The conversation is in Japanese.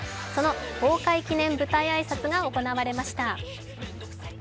その公開記念舞台挨拶が行われました。